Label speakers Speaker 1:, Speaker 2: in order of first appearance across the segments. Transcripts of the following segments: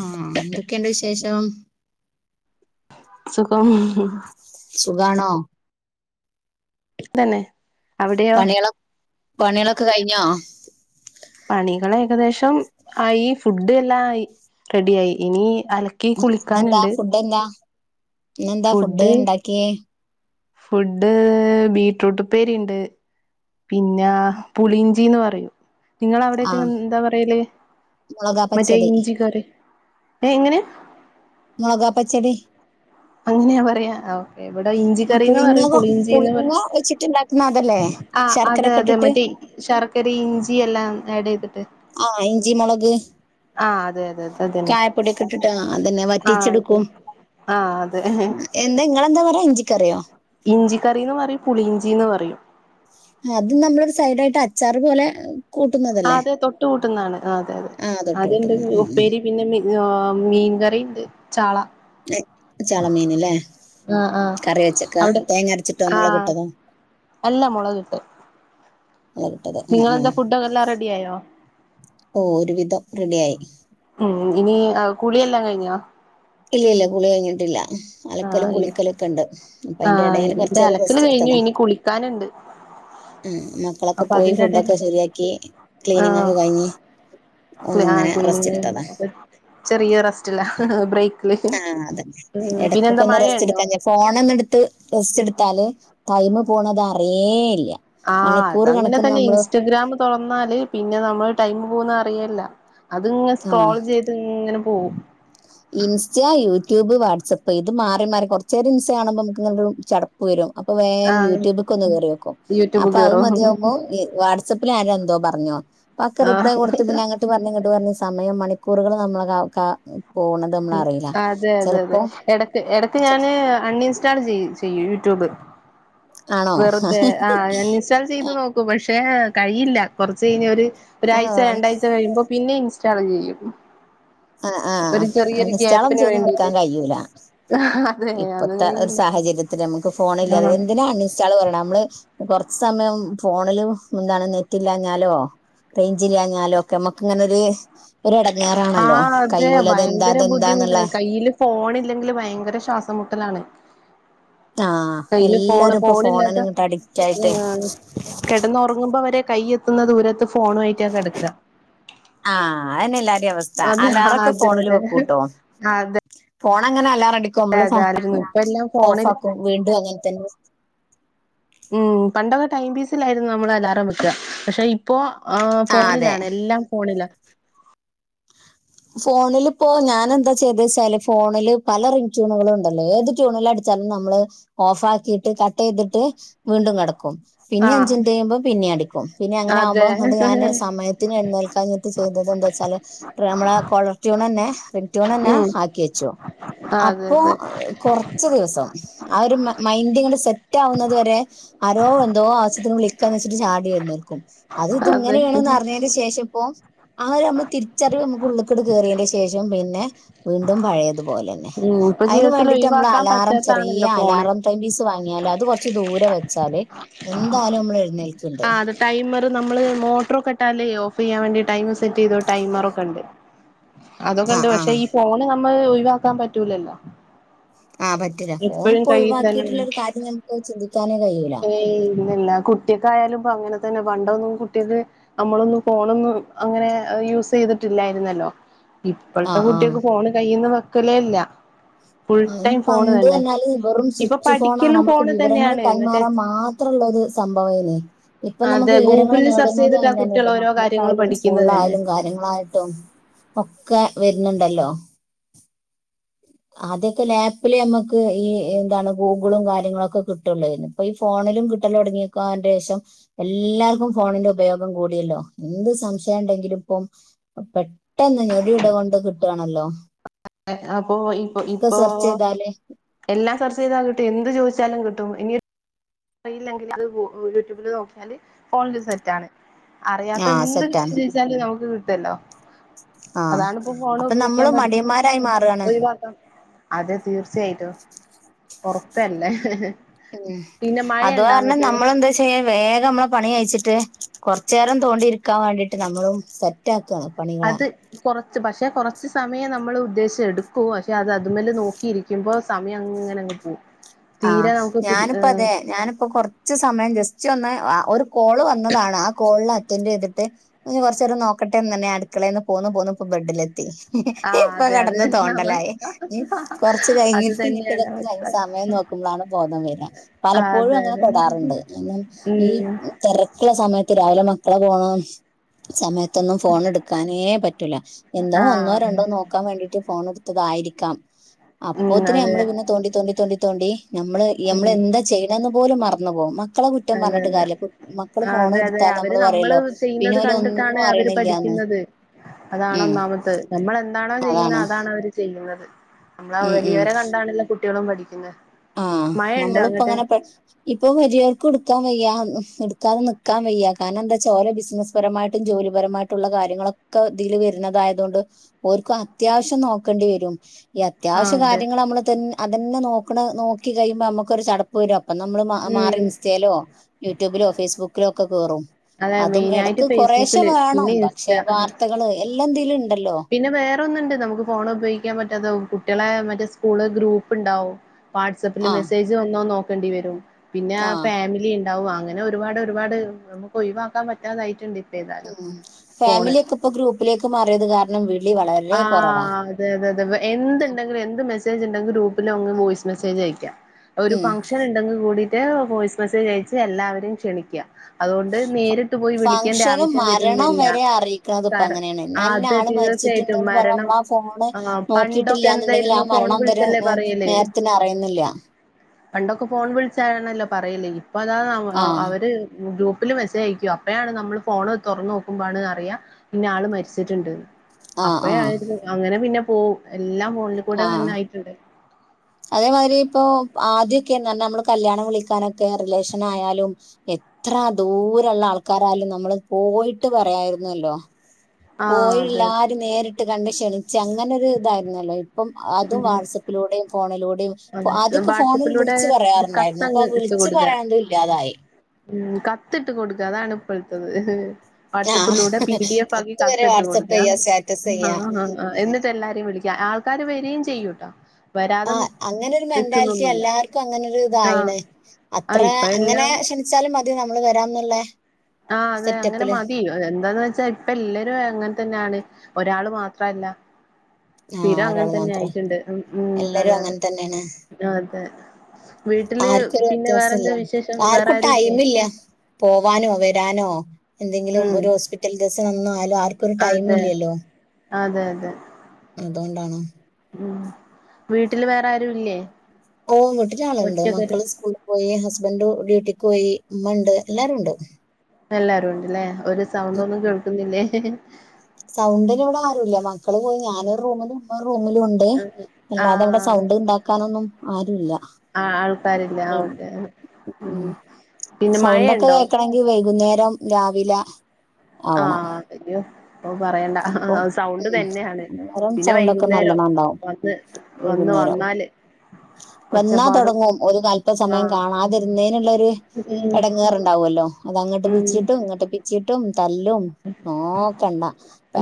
Speaker 1: ആഹ് എന്തൊക്കെയുണ്ട് വിശേഷം
Speaker 2: സുഖം
Speaker 1: സുഖാണോ
Speaker 2: സുഖം തന്നെ അവിടെയോ?
Speaker 1: പണിയൊളൊക്കെ കഴിഞ്ഞോ?
Speaker 2: പണികള് ഏകദേശം ആയി ഫുഡ്എല്ലാംയി റെഡിഅയി ഇനി അലക്കി
Speaker 1: എന്താ
Speaker 2: കുളിക്കാനുണ്ട്.
Speaker 1: ഫുഡ് എന്താ ഇന്നെന്താ ഫുഡ്ഡ് ഇണ്ടാക്കിയേ?
Speaker 2: ഫുഡ്ഡ് ബീറ്റ്രൂട്ട് ഉപ്പെരി ഇണ്ട് പിന്നെ പുളിഞ്ചിന്ന്പറയും
Speaker 1: ആ
Speaker 2: നിങ്ങവിടൊക്കെ എന്താപറയല്?
Speaker 1: മുളകാ
Speaker 2: മറ്റേ
Speaker 1: പച്ചടി
Speaker 2: ഇഞ്ചികറി ഏ എങ്ങനെ?
Speaker 1: മുളകാപ്പച്ചടി
Speaker 2: അങ്ങനെയാപറയാ ഓക്കേ എവിടെ ഇഞ്ചിക്കറിന്ന്
Speaker 1: പുളിങ്ങ
Speaker 2: പറയും
Speaker 1: കൊ-
Speaker 2: പുളിഞ്ചീന്ന്
Speaker 1: പുളിങ്ങ
Speaker 2: പറയും
Speaker 1: വെച്ചിട്ട് ഉണ്ടാക്കുന്ന അതല്ലേ
Speaker 2: ആഹ്
Speaker 1: ശർക്കര
Speaker 2: അതെ
Speaker 1: ഒക്കെ
Speaker 2: അതെ
Speaker 1: ഇട്ടിട്ട്
Speaker 2: മറ്റേ ശർക്കര ഇഞ്ചീം എല്ലാം ഏട് ചെയ്തത്
Speaker 1: ആഹ് ഇഞ്ചിമൊളക്
Speaker 2: ആ അതെ അതെ അതെ അതന്നെ
Speaker 1: കായപ്പൊടിക്കെട്ടിട്ട് അതെന്നെ
Speaker 2: ആ അതെ
Speaker 1: വറ്റിച്ചെടുക്കും
Speaker 2: ആ അതെ
Speaker 1: എന്താ ഇങ്ങളെന്താ പറയാ ഇഞ്ചിക്കറിയോ?
Speaker 2: ഇഞ്ചിക്കറിന്ന് പറയും പുളിഞ്ചീന്ന് പറയും
Speaker 1: അത് നമ്മ്ളരു സൈഡയിട്ട് അച്ചാറ് പോലെ
Speaker 2: ആ
Speaker 1: കൂട്ടുന്നതല്ലേ
Speaker 2: അതെ തൊട്ട് കൂട്ടുന്നാണ് അതെ അതെ
Speaker 1: ആ തൊട്ട്
Speaker 2: അതിണ്ട്
Speaker 1: കൂട്ടുന്ന ഉം ഉം
Speaker 2: ഉപ്പേരി പിന്നെ ആ മീൻകറിണ്ട് ചാള
Speaker 1: ചളമീന്ല്ലേ
Speaker 2: ആഹ് ആഹ്
Speaker 1: കറിവെച്ചക്ക
Speaker 2: അവിടെ
Speaker 1: തേങ്ങഅരച്ചിട്ടോ
Speaker 2: ആഹ്
Speaker 1: മുളകിട്ടതോ?
Speaker 2: അല്ല മുളകിട്ട്
Speaker 1: മൂളകിട്ടത് ഉം ഉം
Speaker 2: നിങ്ങളെന്താ ഫുഡൊക്കെ എല്ലാം റെഡി ആയോ
Speaker 1: ഓഹ് ഒരുവിധം റെഡിയായി
Speaker 2: ഉം ഇനി അഹ് കുളിയെല്ലാംകഴിഞ്ഞോ?
Speaker 1: ഇല്ല ഇല്ല കുളികഴിഞ്ഞിട്ടില്ല.
Speaker 2: ആഹ്
Speaker 1: അലക്കലും
Speaker 2: ഇനി
Speaker 1: കുളിക്കലും ഒക്കെണ്ട് അപ്പൊതിന്റെ
Speaker 2: ആഹ്
Speaker 1: എടേല്
Speaker 2: എന്റെ
Speaker 1: കൊർച്ചെരം
Speaker 2: അലക്കല്
Speaker 1: റെസ്റ്റ്
Speaker 2: കഴിഞ്ഞു
Speaker 1: എടുത്തതാ.
Speaker 2: ഇനി കുളിക്കാനുണ്ട്
Speaker 1: ഉം
Speaker 2: അപ്പൊ
Speaker 1: മക്കളൊക്കെപോയി
Speaker 2: അതിന്റെ ഇടയിൽ
Speaker 1: ഫുഡോക്കെ ശരിയാക്കി ക്ലീനിങ്ങൊക്കെ കഴിഞ്ഞ്
Speaker 2: [unintelligible]
Speaker 1: ഒന്നിങ്ങനെ റെസ്റ്റ്
Speaker 2: ക്ളീനിംഗ്
Speaker 1: എടുത്തതാ
Speaker 2: ചെറിയ റസ്റ്റ്‌ല്ലബ്രേക്ക്
Speaker 1: ആഹ് അതെ എടക്കൊക്കന്ന്
Speaker 2: മഴയുണ്ടോ
Speaker 1: റെസ്റ്റ്എടുക്കാഞ ഫോണെന്ന്ടുത്ത് റെസ്റ്റ്ട്ത്താല് ടൈമ് പോണതറീയേല്ല
Speaker 2: ആഹ് അതങ്ങനെതന്നെ ഇൻസ്റ്റഗ്രാം തുറന്നാല് പിന്നെനമ്മൾ ടൈംപോവുന്ന ഫ്രീയല്ല അത്ങ്ങെനെ സ്ക്രോൾ ചെയ്ത്ഇങ്ങനെ പോവും
Speaker 1: ഇൻസ്റ്റാ യൂ ട്യൂബ് വാട്സപ്പ് ഇത് മാറിമാറി കൊർചേരം ഇൻസണുമ്പോ മ്മുക്ക്നരു ചടപ്പ് വരും അപ്പൊവേം
Speaker 2: ആഹ്
Speaker 1: യൂട്യൂബക്കൊന്ന് കേറിയൊക്കും
Speaker 2: യൂട്യൂബ്
Speaker 1: അപ്പൊഅഹ്
Speaker 2: കേറും
Speaker 1: മതിയാവുമ്പോ ഇ വാട് സാപ്പിലരോന്തോ പറഞ്ഞോ പ്പഒക്കെ
Speaker 2: ആഹ്
Speaker 1: റിപ്ലൈകൊടുത്ത് പിന്നെ അങ്ങട്ട്പറഞ്ഞിങ്ങട്ട്പറഞ് സ മയം മണിക്കൂറുകള് മ്മള് കാ കാ
Speaker 2: തെ അതെ അതെ അതെ എടക്ക് എടക്ക് ഞാന് അൺഇൻസ്റ്റാൾ ചെയ ചെയ്യുയൂട്യൂബ്
Speaker 1: ആണോ
Speaker 2: വെറുതെ ആഹ് അൺസ്റ്റാൽ ചെയ്ത് നോക്കൂ പക്ഷ് ക്ഷേ കഴിയില്ല കുറച്ച് കഴിഞ്ഞൊരു
Speaker 1: ആ
Speaker 2: ഒരാഴ്ച രണ്ടാഴ്ച കഴിയുമ്പോപിന്നെ ഇൻ സ്റ്റാള് ചെയ്യും
Speaker 1: ആഹ് ആഹ്
Speaker 2: ഒരു
Speaker 1: അൺ
Speaker 2: ചെറിയൊരു
Speaker 1: ഇൻസ്റ്റാളൊന്നും
Speaker 2: ഗ്യാപ്പിന്
Speaker 1: ചെയ്ത്
Speaker 2: വേണ്ടിട്ട്
Speaker 1: നിക്കാൻ കഴിയൂല
Speaker 2: അതെ അത്
Speaker 1: ഇപ്പത്തെ ഒരു
Speaker 2: കഴിയില്ല
Speaker 1: സാഹചര്യത്തില് നമുക്ക് ഫോണില്ലാതെ
Speaker 2: ആഹ്
Speaker 1: എന്തിനാ അൺ ഇൻസ്റ്റാള് പറയണ നമ്മള് പൊറ സമയം ഫോണില് എന്താണ് നെറ്റില്ലാഞ്ഞാലോ റേയ്ഞ്ചില്ലാഞ്ഞാലോക്കെ നമ്മക്ക്ങ്ങനൊര്
Speaker 2: ആഹ് അതെ
Speaker 1: അതെന്താന്നുള്ള
Speaker 2: ഭയങ്കരബുദ്ധിമുട്ട കയ്യില് ഫോണില്ലെങ്കിൽ ഭയങ്കരശോ സംമുട്ടലാണ്
Speaker 1: ആഹ്
Speaker 2: കയ്യില് ഫോണ്
Speaker 1: എല്ലാരും ഇപ്പൊ ഫോണിന്
Speaker 2: ഫോണില്ലാത്ത
Speaker 1: ഇങ്ങട്ട് അഡിക്റ്റ് ആയിട്ട്
Speaker 2: ഏഹ് കെടന്ന് ഒറങ്ങുമ്പ വരെ കൈയ് [unintelligible] ദൂരത്ത് ഫോണുവായിട്ടാ കെടക്ക
Speaker 1: ആഹ് അതന്നെ എല്ലാരേം അവസ്ഥ അലാറൊക്കെ
Speaker 2: അതെ
Speaker 1: ഫോണില്
Speaker 2: അതെ
Speaker 1: വെക്കൂട്ടോ
Speaker 2: അതെ
Speaker 1: ഫോൺ അങ്ങനെ അലാറടിക്കും നമ്മള്
Speaker 2: അതെ
Speaker 1: ഫോ
Speaker 2: ആയിരുന്നു ഇപ്പ എല്ലാം
Speaker 1: ഓഫ്‌
Speaker 2: ഫോണിൽ
Speaker 1: ആക്കും വീണ്ടും അങ്ങനെ തന്നെ.
Speaker 2: ഉം പണ്ടൊകെ ടൈം പീസിലായിരുന്നു നമ്മള് അലാറം വെക്കാ പക്ഷെ ഇപ്പോ ഏഹ്
Speaker 1: ആഹ് അതെ
Speaker 2: ഫോണിലാണ് എല്ലാം ഫോണില
Speaker 1: ഫോണിലിപ്പോ ഞാൻ എന്താ ചെയ്തേച്ചാല് ഫോണില് പല റിംങ് ട്യൂണുകളും ഉണ്ടല്ലോ ഏത് ടൂണിലാ എടു [unintelligible] നമ്മള് ഓഫാക്കീട്ട് കട്ട് ചെയ്തിട്ട് വീണ്ടും കെടക്കും. പിന്നേം അഞ്ച്
Speaker 2: ആഹ്
Speaker 1: മിനിറ്റ് കഴിയുമ്പോ പിന്നേം അടിക്കും പിന്നെ അങ്ങനെ ആവുമ്പോ
Speaker 2: അതെ
Speaker 1: എന്നിട്ട് ഞാന് സമയത്തിന് എഴുന്നേൽക്കാൻ നേരത്ത് ചെയ്ത [unintelligible] എന്ത് വെച്ചാല് നമ്മള് ആ കോളർ ട്യൂണ് തന്നെ റിംങ് ട്യൂണന്നെ
Speaker 2: ഉം
Speaker 1: ആക്കി വെച്ചു.
Speaker 2: അതെ
Speaker 1: അപ്പോ
Speaker 2: അതെ
Speaker 1: കൊറച്ച് ദിവസം ആ ഒരു മ മൈയിന്റിങ്ങനെ സെറ്റ് ആവുന്നത് വരെ ആരോ എന്തോ [unintelligible] ആവശ്യത്തിന് വിളിക്കാന്ന് വെച്ചിട്ട് ചാടി എഴുന്നേക്കും. അത് ഇത്
Speaker 2: അതെ
Speaker 1: ഇങ്ങനെയേണ് എന്നു അറിഞ്ഞേനു ശേഷം ഇപ്പോ ആഹ് ഒരു അമ്മള് തിരിച്ചറിവേ അമ്മക്കുള്ളൂ [unintelligible] കേറിയേന്റെ ശേഷം പിന്നെ വീണ്ടും പഴയതു പോലന്നെ
Speaker 2: ഉം ഇപ്പൊ
Speaker 1: അതിന്
Speaker 2: ജീവിതത്തിൽ
Speaker 1: വേണ്ടീട്ട് നമ്മള്
Speaker 2: ഒഴിവാക്കാൻ
Speaker 1: അലാറം ചെറിയ
Speaker 2: പറ്റാത്താണല്ലോ ഫോണ്
Speaker 1: അലാറം ടൈം പീസ് വാങ്ങിയാല് അത് കൊറച്ച് ദൂരെ വെച്ചാല് എന്തായാലും നമ്മള് എഴുന്നേൽക്ക്ണ്ട്.
Speaker 2: ആഹ് അത് ടൈമ് [unintelligible] നമ്മള് മോട്ടറൊക്കെ ഇട്ടാല് ഓഫ് ചെയ്യാൻ വേണ്ടി ടൈമ് സെറ്റ് ചെയ്തോ ടൈമർ ഒക്കെ ഇണ്ട്. അതൊക്കെ
Speaker 1: ആ
Speaker 2: ഇണ്ട്
Speaker 1: ആ
Speaker 2: പക്ഷെ ഈ ഫോണ് നമ്മൾ ഒഴിവാക്കാൻ പറ്റൂലല്ല
Speaker 1: ആഹ് പറ്റൂല ഫോണ് ഇപ്പോ
Speaker 2: തന്നെ വേണം
Speaker 1: ഒഴിവാക്കിട്ടുള്ളൊരു കാര്യം നമ്മക് ചിന്തിക്കാനേ കഴിയൂല.
Speaker 2: പിന്നല്ല കുട്ട്യക്ക് ആയാലും ഇപ്പ അങ്ങനെ തന്നെ പണ്ടൊന്നും കുട്ട്യക്ക് നമ്മളൊന്നും ഫോണൊന്നും അങ്ങനെ യൂസ് ചെയ്തിട്ടില്ലായിരുന്നല്ലോ
Speaker 1: ആ
Speaker 2: ഇപ്പഴത്തെ
Speaker 1: ആ
Speaker 2: കുട്ട്യക്ക് ഫോണ് കയ്യിന്ന് വെ [unintelligible] ഇല്ല. ഫുൾ
Speaker 1: അന്
Speaker 2: ടൈം ഫോണ്
Speaker 1: പണ്ട്
Speaker 2: തന്നെ
Speaker 1: എന്നാൽ വെറും
Speaker 2: ഇപ്പൊ
Speaker 1: സ്വിച്ച് ഫോണ് ആ
Speaker 2: പഠിക്കലും
Speaker 1: നമ്മുക്ക് വിവരങ്ങൾ
Speaker 2: തന്നെയാണ് മറ്റേ
Speaker 1: കൈമാറാൻ മാത്രള സംഭവയനി ഇപ്പൊ
Speaker 2: അതെ
Speaker 1: നമുക്ക് വിവരങ്ങൾ
Speaker 2: ഗൂഗിളിൽ സെർച്ച്
Speaker 1: നേടുന്നത്
Speaker 2: ചെയ്തിട്ടാ കുട്ടികൾ
Speaker 1: അയിനെന്നെ
Speaker 2: ഓരോ കാര്യങ്ങൾ
Speaker 1: മക്കൾക്കായാലും
Speaker 2: പഠിക്കുന്നത് തന്നെ
Speaker 1: സ്കൂളായാലും കാര്യങ്ങളായിട്ടും ഒക്കെ വരുന്നുണ്ടല്ലോ. ആദ്യൊക്കെ ലാപ്പിൽ നമ്മുക്ക് ഈ എന്താണ് ഗൂഗിളും കാര്യങ്ങളളൊക്കെ കിട്ടുള്ളായിരുന്നു ഇപ്പൊ ഈ ഫോണിലും കിട്ടല് ലോടങ്ങിക്കന്റെ ഷം എല്ലാർക്കും ഫോണിന്റെ ഉപയോഗം കൂടിയല്ലോ, എന്ത് സംശയം ഉണ്ടെങ്കിലും ഇപ്പ പെട്ടെന്ന് ഞൊടിഇട കൊണ്ട് കിട്ടവാണല്ലോ?
Speaker 2: അപ്പൊ ഇപ്പൊ ഇപ്പോ എല്ലാം സെർച്ച് ചെയ്താ കട്ടെ എന്ത് ചോദിച്ച ചാലും കിട്ടും ഇനി റിയില്ലെങ്കിൽ അത് യൂട്യൂബിൽ നോക്കിയാൽ ഫോണിൽ സെറ്റണ്. അറിയാത്ത
Speaker 1: ആ
Speaker 2: എന്ത്
Speaker 1: സെറ്റാ
Speaker 2: കാര്യം ചോയിച്ചാലും നമുക്ക് കിട്ടല്ലോ.
Speaker 1: ആഹ്
Speaker 2: അതാണിപ്പോ ഫോൺ
Speaker 1: അപ്പൊ നമ്മള്
Speaker 2: ഉപയോഗിക്കാൻ
Speaker 1: മടിയന്മാരായി
Speaker 2: [inaudible]
Speaker 1: മാറാണ്
Speaker 2: ഒഴിവാക്കാൻ അതെ തീർച്ചയായിട്ടും ഉറപ്പല്ലേ
Speaker 1: ഉം
Speaker 2: പിന്നെ
Speaker 1: അത്
Speaker 2: മഴയുണ്ടോ
Speaker 1: കാരണം
Speaker 2: അങ്ങട്ട്
Speaker 1: നമ്മളെന്താ വെച്ചാൽ വേഗം നമ്മളെ പണി കയച്ചി ട്ട് കുറച്ച് നേരം തോണ്ടിയിരിക്കാൻ വേണ്ടിട്ട് നമ്മളും സെറ്റ്
Speaker 2: അത് കുറച്ച് ഭശ് കുറച്ച് സമയം നമ്മൾ ഉദ്ദേശിച്ച എടുക്കു പക്ഷെ അത് അതുമൽ നോക്കിയിരിക്കുമ്പോ സമയം അങ്ങനെ അങ് പോകും.
Speaker 1: ആഹ് ഞാനിപ്പ അതെ ഞാനിപ്പോ കുറച്ച് സമയം ജെസ് [unintelligible] ഒരു കോള് വന്നതാണ് ആ കോളിൽ അറ്റന്റ്റ് ചെയ്തിട്ട് കൊറച്ച് നേരം നോക്കട്ടെന്ന് തന്നെടു അഡ്കളിന്ന് പോന്ന് പോന്ന് ഇപ്പൊ ബെഡിൽ എത്.
Speaker 2: ആഹ്
Speaker 1: ഇപ്പൊ
Speaker 2: അതെ അത്
Speaker 1: കിടന്ന്
Speaker 2: തന്നെ
Speaker 1: തോണ്ടലായി,
Speaker 2: അവസ്ഥ
Speaker 1: ഞ് കൊറച്ച്
Speaker 2: അത്
Speaker 1: കഴിഞ്ഞിട്ട് ഇട്ട്
Speaker 2: തന്നെയാണ്
Speaker 1: ഇതൊക്കെ ഭയ
Speaker 2: അവസ്ഥ
Speaker 1: സമയം നോക്കുമ്പോ ലാണ് ബോധം വര്യ
Speaker 2: ആഹ്
Speaker 1: പലപ്പോഴും
Speaker 2: അതെ
Speaker 1: അങ്ങനെ
Speaker 2: അതെ
Speaker 1: പെടാറുണ്ട്
Speaker 2: ഉം
Speaker 1: ഈതിരക്ക സമയത രാവിലെ മക്കളെ പോണം സമയത്ത് ഓന്നും ഫോൺ എടുക്കാനേ പറ്റൂല്ല എന്തോ ഒന്നോ
Speaker 2: ആഹ്
Speaker 1: രണ്ടോ നോക്കാൻ വേണ്ടിട്ട് ഫോൺ എടുത്തതായിരിക്കാം
Speaker 2: ഉം
Speaker 1: അപ്പോത്തിനെ
Speaker 2: അതെ
Speaker 1: നമ്മൽ പിന്നെ തോണ്ടി തോണ്ടി തോണ്ടി തോണ്ടി നമ്മൾ നമ്മളെ
Speaker 2: ഉം
Speaker 1: എന്താ ചെയ്യണെന്ന് പോലും മറന്നു പോകും. മക്കളെ കുറ്റം
Speaker 2: അതെ
Speaker 1: പറഞ്ഞിട്ട്
Speaker 2: അതെ
Speaker 1: കാര്യല്ല മക്കൾ ഫോൺ
Speaker 2: അതെ അതെ
Speaker 1: എടുത്താൽ
Speaker 2: അവര്
Speaker 1: നമ്മൾ
Speaker 2: നമ്മള്
Speaker 1: പറയല്ലോ പിന്നെ ഓല് ഒന്നും അറിയണില്ലന്ന്.
Speaker 2: അതെ അതാണ് ഒന്നാമത് നമ്മൾ എന്താണോ ചെയ്യുന്നത്
Speaker 1: അതാണ്
Speaker 2: അതാാണ് അവർ ചെയ്യുന്നത്. നമ്മളെ
Speaker 1: ഉം
Speaker 2: വലിയ
Speaker 1: ഉം
Speaker 2: വരെ കണ്ടാണല്ലോ കുട്ടികളും പഠിക്കുന്നത്.
Speaker 1: ആഹ്
Speaker 2: മഴയുണ്ടോ
Speaker 1: നമ്മള് ഇപ്പ
Speaker 2: അങ്ങട്ട്
Speaker 1: അങ്ങനെ പേ ഇപ്പൊ വരി കൊടുക്കാൻ വ്യയ്യന്ന് എടുക്കാെതെ നിൽക്കാനും വയ്യാന്നു കാരണം എന്താ വച്ചാ ഓലെ ബിസിനസ് പരമായിട്ടും ജോലിപരമായിട്ടുള്ള ക കാര്യങ്ങളൊക്കെ ഇതിൽ വരുന്നതായതുകൊണ്ട് ഓർക്കും അത്യാവശ്യം നോക്കേണ്ടി വരും ഈ അത്യാവശ്യ
Speaker 2: ആഹ് അതെ
Speaker 1: കാര്യങ്ങൾ നമ്മള് തന്നെ അതന്നെ നോക്ക നോക്കി കഴിയ്പോ നമുക്കൊരു ചടപ്പ് വരും അപ്പൊ നമ്മള് മാ മാറി
Speaker 2: ഉം
Speaker 1: ഇൻസ്റ്റയിലോ യൂട്യൂബിലോ ഫേസ്ബുക്കിലോ ഒക്കെ കേറും
Speaker 2: അതെ
Speaker 1: അതും
Speaker 2: മെയിനായിട്ട്
Speaker 1: ഇടക്ക് കുറേശെ
Speaker 2: ഫേസ്ബുക്കില്
Speaker 1: വേണം
Speaker 2: പിന്നെ
Speaker 1: പക്ഷെ
Speaker 2: ഇൻസ്റ്റ
Speaker 1: വാർത്തകള് എല്ലാം എന്തേലും ഇ
Speaker 2: പിന്നെ വേറോന്ന് ഉണ്ട് നമുക്ക് ഫോണ് ഉപയോഗിക്കാൻ പറ്റാത്ത വകുപ്പ് കുട്ടികളെ മറ്റേ സ്കൂള് ഗ്രൂപ്പ് ഉണ്ടാവും വാട്സ്സആപ്പില്
Speaker 1: ആഹ്
Speaker 2: മെസ്സേജ് വന്നോ നോക്കേണ്ടി വരും പിന്നെ
Speaker 1: ആഹ്
Speaker 2: ഫാമിലി ഉണ്ടാവും അങ്ങനെ ഒരുപാട് ഒരുപാട് നമുക്ക് ഒഴിവാക്കാൻ പറ്റാതായിട്ടുണ്ട് ഏതായാലും ഫോണ്
Speaker 1: ഫാമിലി ഒക്കെ ഇപ്പൊ ഗ്രൂപ്പിലേക്ക് മാറിയത് കാരണം വീട്ട
Speaker 2: ആഹ് അതെ അതെ അതെ എന്ത്‌ണ്ടെങ്കിലും എന്ത് മെസ്സേജ് ഉണ്ടെങ്കിലും ഗ്രൂപ്പില് വോയിസ്‌ മെസ്സേജ് അയക്കാം ഒരു
Speaker 1: ഉം
Speaker 2: ഫങ്ക്ഷനുണ്ടെങ്കിൽ കൂടി വോയിസ്‌ മെസ്സേജ് അയച്ച് എല്ലാവരും ക്ഷണിക്കുക അതുകൊണ്ട് നേരിട്ട് പോയി വിളിക്കേണ്ട
Speaker 1: ഫങ്ക്ഷനും
Speaker 2: ആവശ്യം
Speaker 1: മരണം
Speaker 2: വരുന്നില്ല
Speaker 1: വരെ അറിയിക്കണതിപ്പ
Speaker 2: കാരണം
Speaker 1: അങ്ങനെയാണ് ഞനില്ല
Speaker 2: അതെ
Speaker 1: ആള് മരിച്ചത്
Speaker 2: തീർച്ചയായിട്ടും മരണം
Speaker 1: നമ്മളാ ഫോണ്
Speaker 2: ആഹ് പണ്ടൊക്കെ
Speaker 1: നോക്കിയിട്ടില്ലന്നുണ്ടെങ്കിൽ ആ
Speaker 2: എന്തായിരുന്നു ഫോൺ
Speaker 1: മരണം വരെ
Speaker 2: വിളിച്ചല്ലേ പറയല്
Speaker 1: നേരത്തിന് അറിയുന്നില്ല ല്ല
Speaker 2: പണ്ടൊക്കെ ഫോൺ വിളിച്ചരുന്നല്ലോ പറയല്ലേ ഇപ്പൊ അതാ
Speaker 1: ആഹ്
Speaker 2: അവര് ഗ്രൂപ്പ്‌ ഗ്രൂപ്പില് മെസേജ് അയക്കോ അപ്പഴയാണ് നമ്മള് ഫോൺ തുറന്ന് നോക്കുമ്പണ് അറിയാ ഇന്നാള് മരിച്ചിട്ടുണ്ട്ന്ന്
Speaker 1: ആഹ്
Speaker 2: അപ്പഴ
Speaker 1: ആഹ്
Speaker 2: അങ്ങനെ പിന്നെ പോവു എല്ലാം ഫോണിൽ കൂടെ
Speaker 1: ആഹ്
Speaker 2: തന്നെ ആയിട്ടുണ്ട്
Speaker 1: അതേമാതിരി ഇപ്പൊ ആദ്യക്കെ എന്നാന നമ്മള് കല്യാണം വിളിക്കാനൊക്കെ റിലേഷൻ ആയാലും എ എത്ര ദൂരെള്ള ആൾക്കാരായാലും നമ്മള് പോയിട്ട് പറയരുന്നല്ലോ
Speaker 2: ആഹ്
Speaker 1: പോയില്ല
Speaker 2: അതെ
Speaker 1: ആരും നേരിട്ട് കണ്ട് ക്ഷണിച്ച് അങ്ങനൊ ഒരു ഇതാരുന്നല്ലോ അപ്പം അതും
Speaker 2: ഉം
Speaker 1: വാട്സആപ്പിലൂടെയും ഫോണിലൂടെയും
Speaker 2: അതെ
Speaker 1: അതൊക്കെ ഫോണിൽ
Speaker 2: വാട്സപ്പിലൂടെ
Speaker 1: വിളിച്ച്
Speaker 2: ഒരു
Speaker 1: പറയാറുണ്ടായിരുന്നു അപ്പൊ
Speaker 2: കത്തങ്ങ് ഇട്ട്
Speaker 1: വിളിച്ച്
Speaker 2: കൊടുക്ക
Speaker 1: പറയതും ഇല്ലാതായി
Speaker 2: ഉം കത്തിട്ട് കൊടുക്ക അതാണിപ്പഴുത്തത്
Speaker 1: ആ
Speaker 2: വാട്സആപ്പിലൂടെ പി ഡി എഫ് ആക്കി
Speaker 1: അത് വരെ
Speaker 2: കത്തിട്ട്
Speaker 1: വാട്സപ്പ്
Speaker 2: കൊടുക്ക
Speaker 1: ചെയ്യാ സ്റ്റാറ്റസ് ചെയ്യാ
Speaker 2: എന്നിട്ട് എല്ലാരെയും വിളിക്ക ആൾക്കാര് വര്യയും ചെയ്യൂട്ടാ
Speaker 1: ആ അങ്ങനെ നൊരു മെന്റാലിറ്റി എല്ലർക്കും അങ്ങനൊരു
Speaker 2: ആഹ്
Speaker 1: ഇതായിണ് അത്ര
Speaker 2: ആഹ് ഇപ്പ
Speaker 1: അങ്ങനെ
Speaker 2: എല്ലാം
Speaker 1: ക്ഷണിച്ചാലും മതി നമ്മള് വരാംന്നുള്ളേ
Speaker 2: ആഹ് അതെ അങ്ങനെ മതിലോ എന്താന്ന് വെച്ചാ ഇപ്പ എല്ലരും അങ്ങനെ തന്നെയാണ് ഒരാള് മാത്രല്ല
Speaker 1: ആഹ്
Speaker 2: സ്ഥിരം
Speaker 1: ഒരാൾ
Speaker 2: അങ്ങനെ തന്നെ
Speaker 1: മാത്രം
Speaker 2: ആയിട്ടുണ്ട് ഉം ഉം
Speaker 1: എല്ലാരും
Speaker 2: അതെ അതെ
Speaker 1: അങ്ങനെ തന്നെയാണ്
Speaker 2: അതെ വീട്ടില്
Speaker 1: ആർക്കൊരു
Speaker 2: പിന്നെ
Speaker 1: വ്യത്യാസം ഇല്ല
Speaker 2: വേറെന്താ വിശേഷം വേറെ
Speaker 1: ആർക്കും
Speaker 2: ആരുല്ലേ
Speaker 1: ടൈമ് ഇല്ല പോവാനോ വരാനോ എന്തെങ്കിലും
Speaker 2: ഉം
Speaker 1: ഒരു ഹോസ്പിറ്റൽ കേ‌സ് വന്നാലും ആർക്കും ഒരു ടൈം
Speaker 2: അതെ
Speaker 1: ഇല്ലല്ലോ
Speaker 2: അതെ അതെ
Speaker 1: അതുകൊണ്ടാണോ
Speaker 2: ഉം വീട്ടില് വേറെ ആരു ഇല്ലേ
Speaker 1: ഓ വീട്ടില് ആളുണ്ട്
Speaker 2: ഒറ്റക്കൊരു
Speaker 1: മക്കള് സ്കൂളിൽ പോയി ഹസ്ബ ന്ഡ് ഡ്യൂട്ടിക്ക് പോയി ഉമ്മ ഉണ്ട് എല്ലാരും ഉണ്ട്
Speaker 2: എല്ലാരും ഉണ്ട്ല്ലേ ഒരു സൗണ്ട് ഒന്നും കേൾക്കുന്നില്ലേ
Speaker 1: സൗണ്ടിന് ഇവിടെ ആരുല്ല മക്കള് പോയി ഞാനൊരു റൂമിലും ഉമ്മൊരു റൂമിലുണ്ട് അല്ലാതെ അവിടെ
Speaker 2: ആഹ്
Speaker 1: സൗണ്ട് ഉണ്ടാക്കാനൊന്നും ആരുല്ല
Speaker 2: ആ ആൾക്കാരില്ല ഓക്കെ ഉം പിന്നെ
Speaker 1: സൗണ്ടൊക്കെ
Speaker 2: മഴയുണ്ടോ
Speaker 1: കേക്കണെങ്കി വൈകുന്നേര രം രാവില
Speaker 2: ആഹ് അയ്യോ അ പറയണ്ട
Speaker 1: അപ്പം
Speaker 2: ആ സൗണ്ട്
Speaker 1: ഉം
Speaker 2: തന്നെയാണ്
Speaker 1: അന്നേരം
Speaker 2: പിന്നെ
Speaker 1: സൗണ്ടൊക്കെ
Speaker 2: വൈകുന്നേരം
Speaker 1: നല്ലോണം ഉണ്ടാവും
Speaker 2: വന്ന് വന്ന്
Speaker 1: വൈകുന്നേരം
Speaker 2: വന്നാല്
Speaker 1: വന്നാ
Speaker 2: ഒച്ചപ്പാടും
Speaker 1: തുടങ്ങും ഒരു തല്പസമയം
Speaker 2: ആഹ്
Speaker 1: കാണാതിരുന്നേനുള്ളൊരു എടങ്ങേറുണ്ടാവല്ലോ അത് അങ്ങട്ട്
Speaker 2: ഉം
Speaker 1: പിച്ചിട്ടും ഇങ്ങട്ട് പി ച്ചിട്ടും തല്ലും നോക്കണ്ട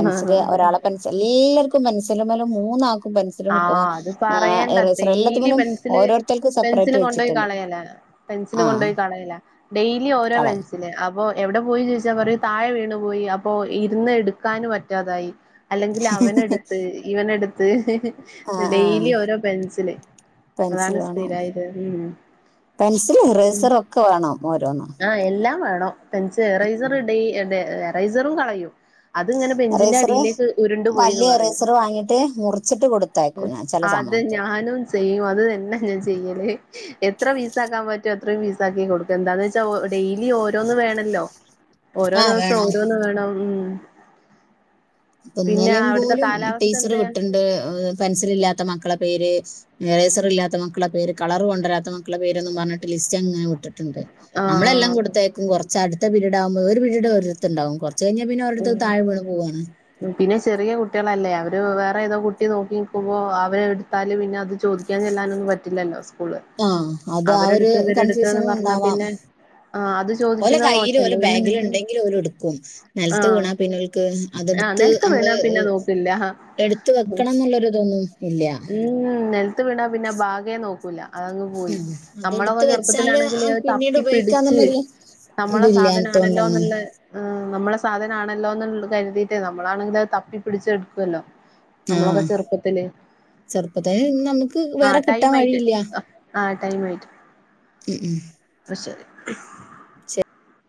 Speaker 2: ഉം ആഹ്
Speaker 1: ഒരാളെ പെൻസൽ എല്ലാർക്കും പെൻസിലുമ്മേല് മൂന്നാക്കും പെൻസിലും
Speaker 2: ആഹ് അത് പറയണ്ട
Speaker 1: എറേസറും എല്ലാത്തിക്കനും ഓരോരുത്തർക്കും സ
Speaker 2: സിൽ കൊണ്ടോയി കളയലാ പെൻസിൽ കൊണ്ടോയി കളയലാ ഡെയിലി ഓരോ
Speaker 1: കളയും
Speaker 2: പെൻസിൽ അ അപ്പൊ എവിടെ പോയി ചോദിച്ചാ പറയും താഴെ വീണു പോയി അപ്പൊ ഇരുന്ന് എടുക്കാനും പറ്റാതായി അല്ലെങ്കിലവനെടുത്ത് ഇവനെടുത്ത് ഹ്ഹ്
Speaker 1: ആ ആ
Speaker 2: ഡെയിലി ഓരോ പെൻസില് അതാണ് സ്ഥിരായത് ഉം
Speaker 1: പെൻസില് ഇറേസറൊക്കെ വേണം ഓരോന്ന്
Speaker 2: ആഹ് എല്ലാം വേണം പെൻസിൽ എറൈസർ ഡെയ്-ഡെ എറൈസറും കളയും അത്ങ്ങനെ ബെഞ്ചിന്റെ
Speaker 1: ഇറേസർ
Speaker 2: അടിയിലേക്ക് ഉരുണ്ട് പോയീന്ന്
Speaker 1: വലിയ
Speaker 2: പറയും
Speaker 1: ഇറേസർ വാങ്ങിയിട്ട് മുറിച്ചിട്ട് കൊടുത്തയക്കും ഞാൻ ചില
Speaker 2: അത്
Speaker 1: സമയത്ത്
Speaker 2: ഞാനും ചെയ്യും അത് തന്നെ ഞാൻ ചെയ്യല് എത്ര പീസ ആക്കാൻ പ റ്റത്രയും പീസാക്കി കൊടുക്കും എന്താന്ന് വെച്ചാ ഒ ഡെലി ഓരോന്നന്ന് വേണല്ലോ ഓരോ
Speaker 1: ആ
Speaker 2: ദിവസം
Speaker 1: വേണം
Speaker 2: ഓരോന്ന് വേണം ഉ
Speaker 1: ഇന്നെലെ
Speaker 2: അവിടുത്തെ
Speaker 1: പോലും
Speaker 2: കാലാവസ്ഥ
Speaker 1: ടീച്ചർ
Speaker 2: എന്തെയാ
Speaker 1: വിട്ടിണ്ട് ഉം പെൻസിൽ ഇല്ലാത്ത മക്കളെ പേര് ഇറേസർ ഇല്ലാത്ത മക്കളുടെ പേര് കളർ കൊണ്ടുവരാത്ത മക്കളുടെ പേരൊന്നും പറഞ്ഞിട്ടില്ല സ്റ്റങ്ങനെ വിട്ട്ട്ട്ണ്ട് നമ്മളെല്ലാം
Speaker 2: ആഹ്
Speaker 1: കൊടുത്തയക്കും കൊറച്ച് അടുത്ത പിരീട് ആവുമ്പോ ഒരു പിരീടോരെട്ത്തുണ്ടാവും കൊറ ച്ചയ്ഞ്ഞ പിന്നോരെട്ത്ത് അത് താഴെ വീണ് പോവാണ്
Speaker 2: പിന്നെ ചെറിയ കുട്ട്യേളല്ലേ അവര് വേറെ ഏതോ കുട്ടി ന്നോക്കിന്നിക്കുമ്പോ അവര് എടുത്താല് പിന്നെ അത് ചോദിക്കാ ചെല്ലാനൊന്നും പറ്റില്ലല്ലോ സ്
Speaker 1: ആ അത് ആ ഒരു കൺഫ്യൂസനും
Speaker 2: പറഞ്ഞാ
Speaker 1: ഉണ്ടാവാം
Speaker 2: പിന്നെ ആഹ് അത്
Speaker 1: ഓലെ
Speaker 2: ചോദിക്കുന്നത്
Speaker 1: കയ്യിലും ഓലെ
Speaker 2: മോശല്ലേ
Speaker 1: ബാഗിലും
Speaker 2: പിന്നെ
Speaker 1: ഇണ്ടെങ്കിലോലെടുക്കും നെലത്ത്
Speaker 2: ആഹ്
Speaker 1: വീണാ പിന്നോൽക്ക്
Speaker 2: ആഹ്
Speaker 1: അതെടുത്ത്
Speaker 2: നിലത്ത്
Speaker 1: അമ്മള്
Speaker 2: വീണാ പിന്നെ നോക്കില്ല ആ
Speaker 1: എടുത്ത വെക്കണന്നുള്ളൊരുതൊന്നും
Speaker 2: ഉം നെലത്ത് വീണാ പിന്നെ ബാഗേ നോക്കൂല. അതങ്ങ് പോയി
Speaker 1: ഉം.
Speaker 2: ന്നമ്മളൊ‌ക്കെ
Speaker 1: അതെടുത്ത് വെച്ചാല് ആ
Speaker 2: ചെറുപ്പത്തിലാണെങ്കില് അത്
Speaker 1: പിന്നീട്
Speaker 2: തപ്പി പിടിച്ച്
Speaker 1: ഉപയോഗിക്കാന്നുള്ളൊരു
Speaker 2: നമ്മളെ
Speaker 1: ഇതില്ലാത്തോണ്ടാണ്
Speaker 2: സാധനാണല്ലോന്ന്ള്ളെ ഏ നമ്മളെ സാധനാണ ല്ലോന്ന് കരുതീട്ടേ നമ്മളാണെങ്കിൽ അത് തപ്പി പിടിച്ച് എടുക്കുവല്ലോ നമ്മളൊക്കെ ചെറുപ്പത്തില്
Speaker 1: ചെറുപ്പത്തെയ്ന് ന്നമ്ക്ക് വേറെ കിട്ടാൻ വഴിയില്ല
Speaker 2: ആ ടൈം ആയ്റ്റ്
Speaker 1: ഉം ഉം
Speaker 2: ശരി